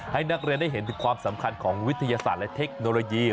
ให้นักเรียนได้เห็นถึงความสำคัญของวิทยาศาสตร์และเทคโนโลยี